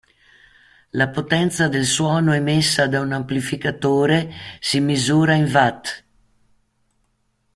La potenza del suono emessa da un amplificatore si misura in watt.